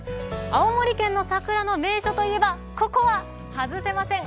青森県の桜の名所といえばここは外せません。